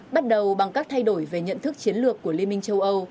bắt đầu bằng các thay đổi về nhận thức chiến lược của liên minh châu âu